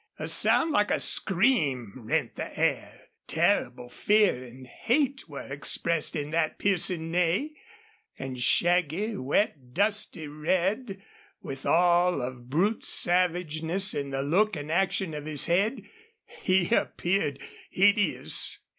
A sound like a scream rent the air. Terrible fear and hate were expressed in that piercing neigh. And shaggy, wet, dusty red, with all of brute savageness in the look and action of his head, he appeared hideous.